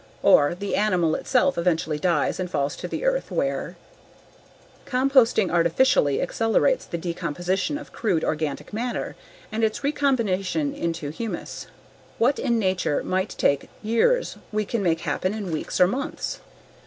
Or the animal itself eventually dies and falls to the earth where .... Composting artificially accelerates the decomposition of crude organic matter and its recombination into humus. What in nature might take years we can make happen in weeks or months.